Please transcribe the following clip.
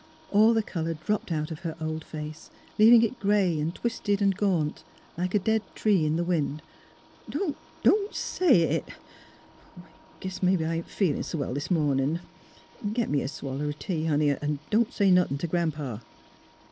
All the colour dropped out of her old face, leaving it grey and twisted and gaunt, like a dead tree in the wind. " Don't — don't say it! I — I guess mebbe I ain't feelin' s* well — this mornin'. Get me a swaller o' tea, honey, 'n' — don't say nothin' t' Gran 'pa."